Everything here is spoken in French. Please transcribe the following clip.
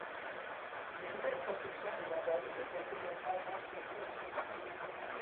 Les nouvelles productions du label deviennent également moins prisées.